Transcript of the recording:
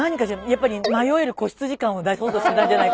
やっぱり迷える子羊感を出そうとしてたんじゃないかしら。